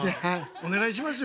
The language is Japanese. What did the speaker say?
お願いしますよ。